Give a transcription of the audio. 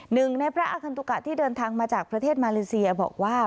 หนึ่งในพระอาคันตุกะที่เดินทางมาจากประเทศมาเลเซียบอกว่า